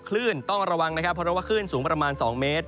คลื่นต้องระวังนะครับเพราะว่าคลื่นสูงประมาณ๒เมตร